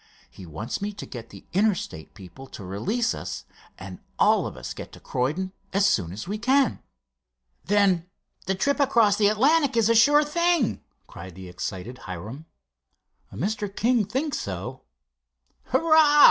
He wants me to get the Interstate people to release us, and all of us get to Croydon soon as we can." "Then the trip across the Atlantic is a sure thing!" cried the excited Hiram. "Mr. King thinks so." "Hurrah!"